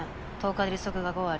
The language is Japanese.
１０日で利息が５割。